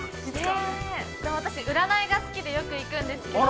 ◆ええ、私占いが好きでよく行くんですけど。